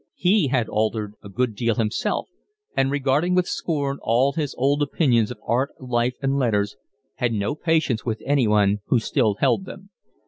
He had altered a good deal himself, and regarding with scorn all his old opinions of art, life, and letters, had no patience with anyone who still held them.